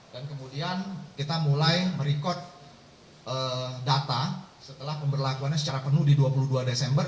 dan kemudian kita mulai merecord data setelah pemberlakuannya secara penuh di dua puluh dua desember dan dua puluh tiga desember